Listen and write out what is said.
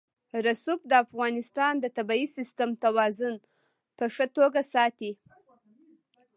رسوب د افغانستان د طبعي سیسټم توازن په ښه توګه ساتي.